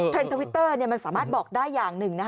ทวิตเตอร์มันสามารถบอกได้อย่างหนึ่ง